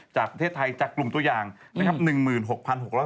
จากประเทศไทยจากกลุ่มตัวอย่างนะครับ